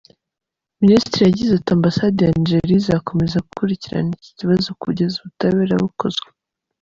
Minisitiri yagize ati "Ambasade ya Nigeria izakomeza gukurikirana iki kibazo kugeza ubutabera bukozwe.